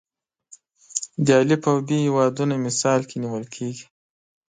د الف او ب هیوادونه مثال کې نیول کېږي.